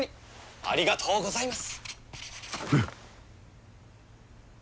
ありがとうございます。